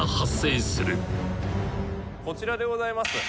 こちらでございます。